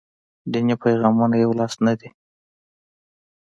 دیني پیغامونه یولاس نه دي.